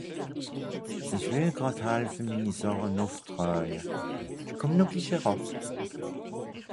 Ìch wìll gràd helfe, mini Sàche nùff traawe, ìch kùmm no glich eràb.